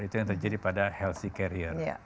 itu yang terjadi pada healthy carrier